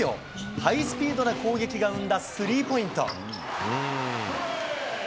ハイスピードな攻撃が生んだスリーポイント。